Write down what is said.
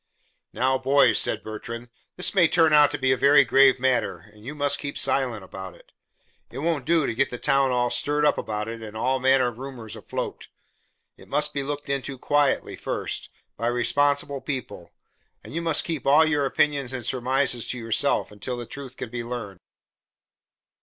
"Now, boys," said Bertrand, "this may turn out to be a very grave matter, and you must keep silent about it. It won't do to get the town all stirred up about it and all manner of rumors afloat. It must be looked into quietly first, by responsible people, and you must keep all your opinions and surmises to yourselves until the truth can be learned."